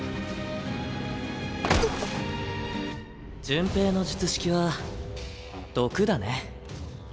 順平の術式は毒だね。